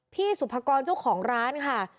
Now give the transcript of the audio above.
สุภกรเจ้าของร้านค่ะ